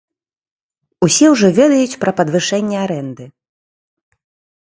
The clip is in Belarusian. Усе ўжо ведаюць пра падвышэнне арэнды.